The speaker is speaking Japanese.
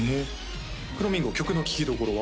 くろみんご曲の聴きどころは？